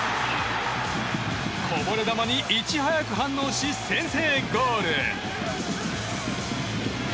こぼれ球にいち早く反応し先制ゴール！